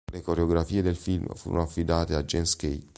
Le coreografie del film furono affidate a Jens Keith.